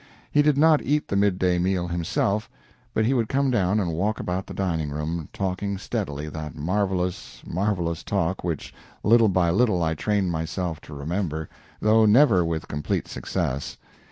He did not eat the midday meal himself, but he would come down and walk about the dining room, talking steadily that marvelous, marvelous talk which little by little I trained myself to remember, though never with complete success.